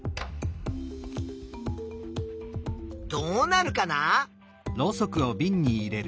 どうなるかな？